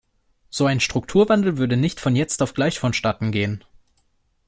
So ein Strukturwandel würde nicht von jetzt auf gleich vonstatten gehen.